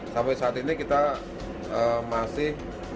sampai saat ini kita masih